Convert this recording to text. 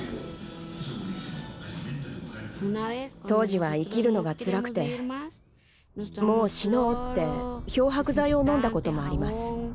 当時は生きるのがつらくてもう死のうって漂白剤を飲んだこともあります。